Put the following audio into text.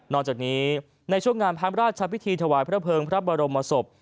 จากนี้ในช่วงงานพระราชพิธีถวายพระเภิงพระบรมศพ